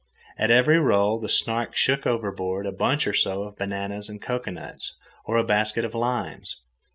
At every roll the Snark shook overboard a bunch or so of bananas and cocoanuts, or a basket of limes.